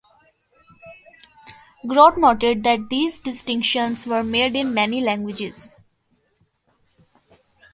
Grote noted that these distinctions were made in many languages.